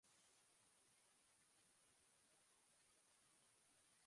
Democratic rule returned until the military overthrew the president.